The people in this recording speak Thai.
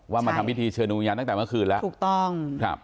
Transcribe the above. มาทำพิธีเชิญดวงวิญญาณตั้งแต่เมื่อคืนแล้วถูกต้องครับ